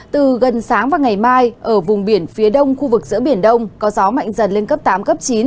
từ gần sáng và ngày mai ở vùng biển phía đông khu vực giữa biển đông có gió mạnh dần lên cấp tám cấp chín